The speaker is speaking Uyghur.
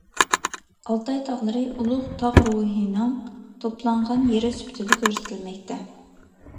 ئالتاي تاغلىرى ئۇلۇغ تاغ روھلىرىنىڭ توپلانغان يېرى سۈپىتىدە كۆرسىتىلمەكتە.